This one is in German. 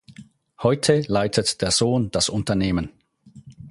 Heute leitet der Sohn das Unternehmen.